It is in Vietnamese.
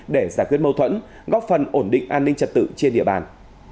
để giải quyết mâu thuẫn góp phần ổn định an ninh trật tự trên địa bàn